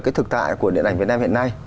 cái thực tại của điện ảnh việt nam hiện nay